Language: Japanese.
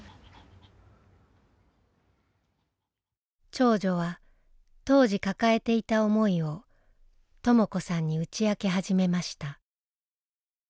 長女は当時抱えていた思いをとも子さんに打ち明け始めました。